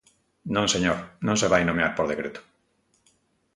Non señor, non se vai nomear por decreto.